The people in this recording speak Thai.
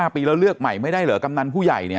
ปีแล้วเลือกใหม่ไม่ได้เหรอกำนันผู้ใหญ่เนี่ย